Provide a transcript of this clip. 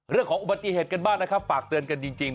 เรื่องของอุบัติเหตุกันบ้างนะครับฝากเตือนกันจริง